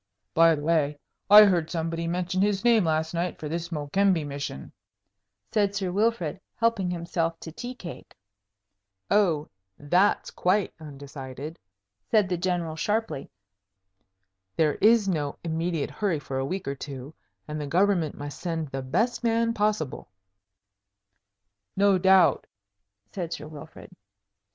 "By the way, I heard somebody mention his name last night for this Mokembe mission," said Sir Wilfrid, helping himself to tea cake. "Oh, that's quite undecided," said the General, sharply. "There is no immediate hurry for a week or two, and the government must send the best man possible." "No doubt," said Sir Wilfrid.